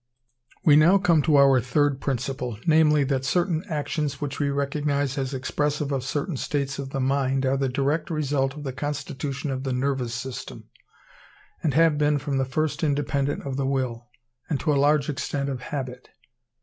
We now come to our third Principle, namely, that certain actions which we recognize as expressive of certain states of the mind, are the direct result of the constitution of the nervous system, and have been from the first independent of the will, and, to a large extent, of habit.